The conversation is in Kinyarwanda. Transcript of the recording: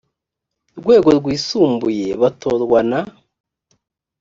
rwego rwisumbuye batorwa na